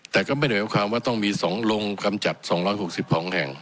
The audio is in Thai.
แต่ก็ไม่เหมือนกับความว่าต้องมีสองลงกำจัดสองร้อยหกสิบของแห่ง